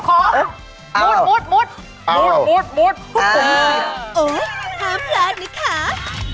โค้งมุดโอ๊ยหาพลาดนึกข้า